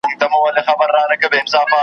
چی لېوه او خر له کلي را گوښه سول .